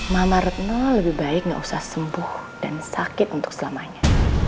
mama retno lebih baik nggak usah sembuh dan sakit untuk selamanya